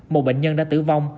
một bệnh nhân đã tử vong